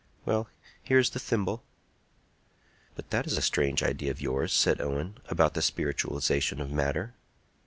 "Well; here is the thimble." "But that is a strange idea of yours," said Owen, "about the spiritualization of matter."